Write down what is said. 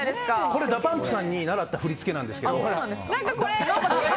これ、ＤＡＰＵＭＰさんに習った振り付けなんですけど。